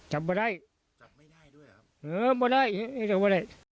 จับไม่ได้ด้วยหรอครับ